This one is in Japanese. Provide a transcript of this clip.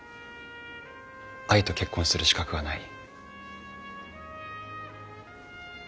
愛と結婚する資格がない。